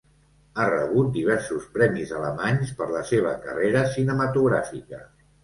Ha rebut diversos premis alemanys per la seva carrera cinematogràfica.